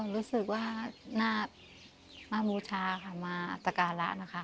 รู้สึกว่าน่ามามูชามาอศกาละ